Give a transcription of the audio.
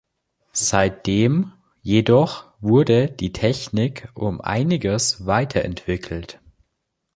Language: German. Seitdem jedoch wurde die Technik um einiges weiterentwickelt.